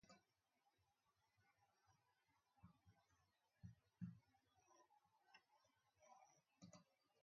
Jā, līdz ar to mēs nevaram šo pantu papildināt, jo viņa vairs nav likumā.